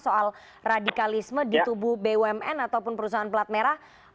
soal radikalisme di tubuh bumn ataupun perusahaan pelat merah